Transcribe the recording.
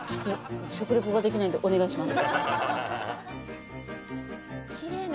食リポができないんでお願いします。